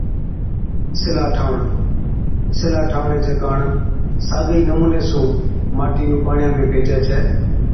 سِلها ٺاهوَڻ، سِلها ٺاهوَڻي ڪاڻ چي ڪاڻ ساگي ئِي نمُوني سُون ماٽِي نُون پاڻِيان ۾ ڀيجَي ڇَي